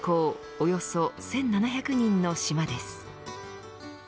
およそ１７００人の島です。